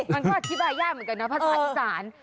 มันก็อธิบายยากเหมือนกันนะภาษาอีสาน